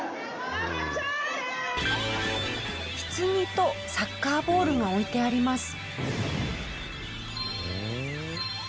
棺とサッカーボールが置いてあります。